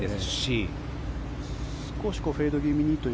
少しフェード気味に？